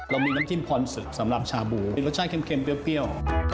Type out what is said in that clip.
เรามีน้ำจิ้มพอนซุสำหรับชาบูรสชาติเค็มเพรี้ยว